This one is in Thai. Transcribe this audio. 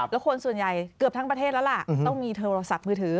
แล้วคนส่วนใหญ่เกือบทั้งประเทศแล้วล่ะต้องมีโทรศัพท์มือถือ